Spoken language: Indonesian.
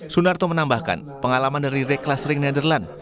sunarto menambahkan pengalaman dari reklas ring nederland